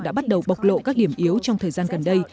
đã bắt đầu bộc lộ các điểm yếu trong thời gian gần đây